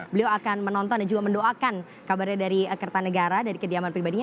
beliau akan menonton dan juga mendoakan kabarnya dari kertanegara dari kediaman pribadinya